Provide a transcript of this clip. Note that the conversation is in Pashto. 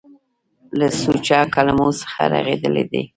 له سوچه کلمو څخه رغېدلي دي.